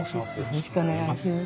よろしくお願いします。